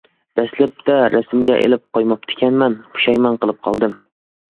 دەسلەپتە رەسىمگە ئېلىپ قويماپتىكەنمەن، پۇشايمان قىلىپ قالدىم.